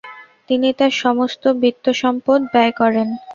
তিনি তার সমস্ত বিত্ত-সম্পদ ব্যয় করেন।